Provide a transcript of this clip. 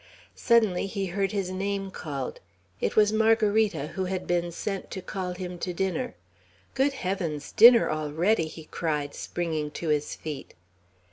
Suddenly he heard his name called. It was Margarita, who had been sent to call him to dinner. "Good heavens! dinner already!" he cried, springing to his feet.